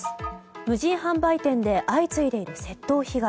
無人販売店で相次いでいる窃盗被害。